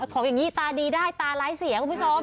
ของอย่างนี้ตาดีได้ตาร้ายเสียคุณผู้ชม